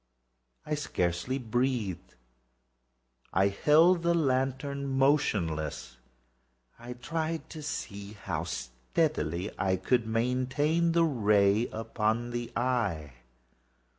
I scarcely breathed. I held the lantern motionless. I tried how steadily I could maintain the ray upon the eve.